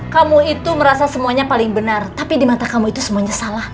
kamu itu merasa semuanya paling benar tapi di mata kamu itu semuanya salah